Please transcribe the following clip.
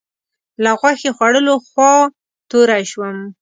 له غوښې خوړلو خوا توری شوم.